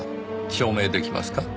証明出来ますか？